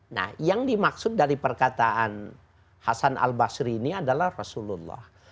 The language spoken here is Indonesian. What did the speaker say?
nah yang dimaksud dari perkataan hasan al basri ini adalah rasulullah